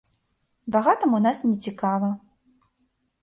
Багатым у нас нецікава.